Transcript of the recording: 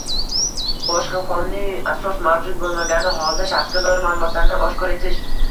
boshqa qonuniy asos mavjud bo‘lmagani holda shaxsga doir ma’lumotlarni oshkor etish